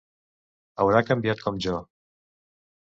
Haurà canviat com jo.